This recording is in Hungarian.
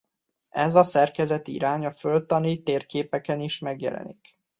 Ez a szerkezeti irány a földtani térképen is megjelenik.